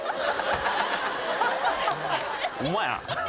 ホンマやな。